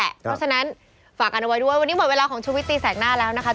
เพราะฉะนั้นฝากกันเอาไว้ด้วยวันนี้หมดเวลาของชุวิตตีแสกหน้าแล้วนะคะ